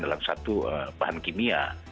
dalam satu bahan kimia